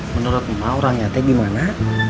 menurut emak orangnya gimana